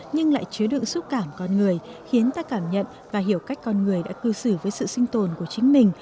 nhưng lại chứa đựng xúc cảm con người khiến ta cảm nhận và hiểu cách con người đã cư xử với sự sinh tồn của chính mình